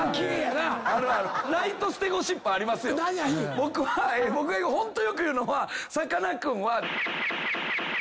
僕はホントよく言うのはさかなクンは。